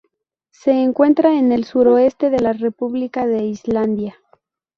Se encuentra en el suroeste de la República de Islandia.